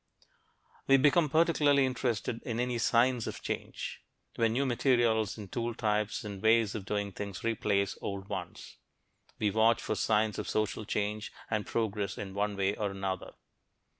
We become particularly interested in any signs of change when new materials and tool types and ways of doing things replace old ones. We watch for signs of social change and progress in one way or another.